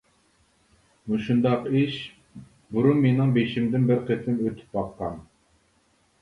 مۇشۇنداق ئىش بۇرۇن مېنىڭ بېشىمدىن بىر قېتىم ئۆتۈپ باققان.